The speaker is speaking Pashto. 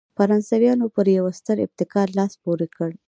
فرانسویانو پر یوه ستر ابتکار لاس پورې کړ.